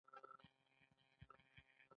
آیا د پښتنو په کلتور کې طلاق ډیر بد نه ګڼل کیږي؟